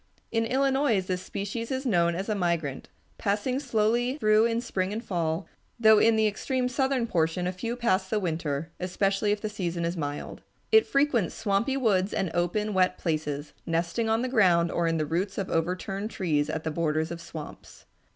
In Illinois this species is known as a migrant, passing slowly through in spring and fall, though in the extreme southern portion a few pass the winter, especially if the season be mild. It frequents swampy woods and open, wet places, nesting on the ground or in the roots of overturned trees at the borders of swamps.